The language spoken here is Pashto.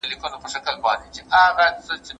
علمي کسانو په ډېرو سختو شرايطو کي کار وکړ.